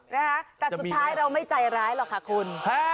นะคะแต่สุดท้ายเราไม่ใจร้ายหรอกค่ะคุณฮะ